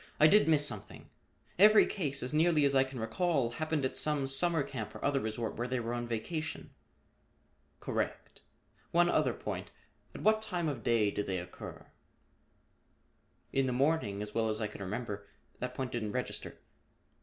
I did miss something. Every case, as nearly as I can recall, happened at some summer camp or other resort where they were on vacation." "Correct. One other point. At what time of day did they occur?" "In the morning, as well as I can remember. That point didn't register."